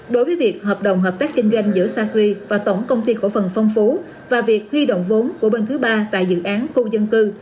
đối với việc hợp đồng hợp tác kinh doanh giữa sacri và tổng công ty cổ phần phong phú và việc huy động vốn của bên thứ ba tại dự án khu dân cư